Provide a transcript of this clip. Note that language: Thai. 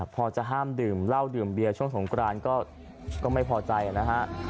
พอจะห้ามดื่มเหล้าดื่มเบียร์ช่วงสงกรานก็ไม่พอใจนะฮะ